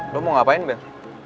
lu mau ngapain ben